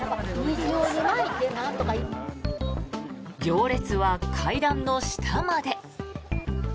行列は階段の下まで。